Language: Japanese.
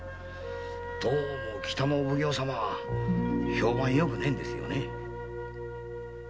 どうも北のお奉行様は評判よくねえんですよ。